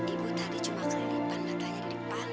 ibu tadi cuma kelipan matanya kelipan